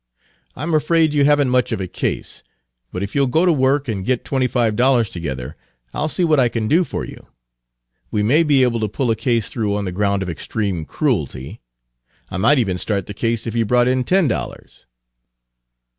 I'm afraid you have n't much of a case, but if you'll go to work and get twenty five dollars together, I'll see what I can do for you. We may be able to pull a case through on the ground of extreme cruelty. I might even start the case if you brought in ten dollars."